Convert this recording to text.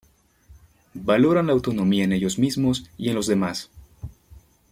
Valoran la autonomía en ellos mismos y en los demás.